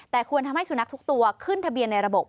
แต่ควรทำให้สุนัขทุกตัวขึ้นทะเบียนในระบบ